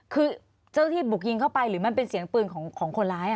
คือเจ้าที่บุกยิงเข้าไปหรือมันเป็นเสียงปืนของคนร้าย